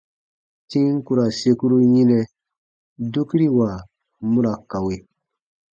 Tim ku ra sekuru yinɛ, dukiriwa mu ra kawe.